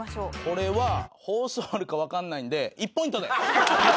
これは放送あるかわかんないので１ポイントで。